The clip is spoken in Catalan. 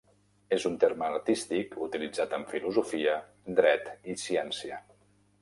És un terme artístic utilitzat en filosofia, dret i ciència.